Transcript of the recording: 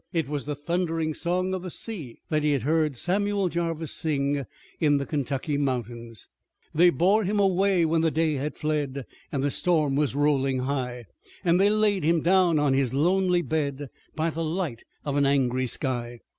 It was the thundering song of the sea that he had heard Samuel Jarvis sing in the Kentucky Mountains: They bore him away when the day had fled, And the storm was rolling high, And they laid him down in his lonely bed By the light of an angry sky.